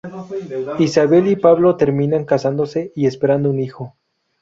Isabel y Pablo terminan casándose y esperando un hijo.